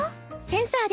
センサー？